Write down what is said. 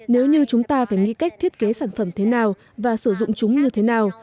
nếu như chúng ta phải nghĩ cách thiết kế sản phẩm thế nào và sử dụng chúng như thế nào